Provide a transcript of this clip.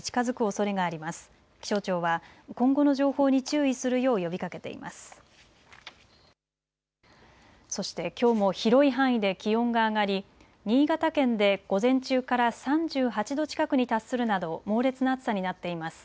そしてきょうも広い範囲で気温が上がり新潟県で午前中から３８度近くに達するなど猛烈な暑さになっています。